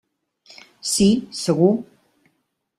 Sí, segur.